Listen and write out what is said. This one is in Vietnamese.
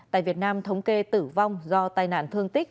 tại việt nam thống kê tử vong do tai nạn thương tích